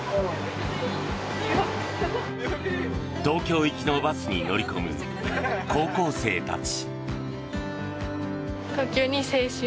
東京行きのバスに乗り込む高校生たち。